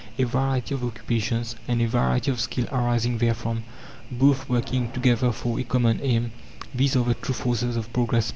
A variety of occupations, and a variety of skill arising therefrom, both working together for a common aim these are the true forces of progress.